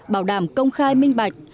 bảo đảm công khai minh bạch